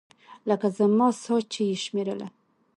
لکه زما ساه چې يې شمېرله.